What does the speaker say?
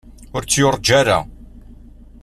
Ur tt-yurǧa ara.